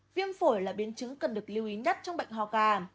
viêm phổi là biến chứng cần được lưu ý nhất trong bệnh hò gà